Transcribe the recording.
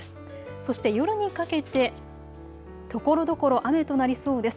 そして夜にかけてところどころ雨となりそうです。